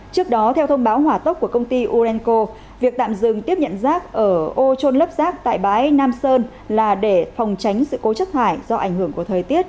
trước đó theo thông báo hỏa tốc của công ty urenco việc tạm dừng tiếp nhận rác ở ô trôn lấp rác tại bãi nam sơn là để phòng tránh sự cố chất thải do ảnh hưởng của thời tiết